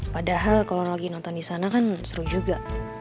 padahal kalau lagi nonton di sana kan seru juga